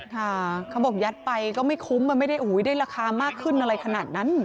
เขาบอกยัดไปก็ไม่คุ้มมันไม่ได้ได้ราคามากขึ้นอะไรขนาดนั้น